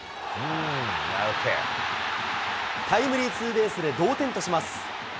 タイムリーツーベースで同点とします。